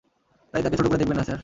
তাই তাকে ছোট করে দেখবেন না, স্যার।